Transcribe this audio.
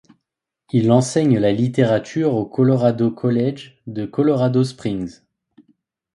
Il enseigne la littérature au Colorado College de Colorado Springs.